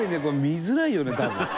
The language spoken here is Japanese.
見づらいよね、多分。